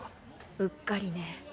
うっかりね。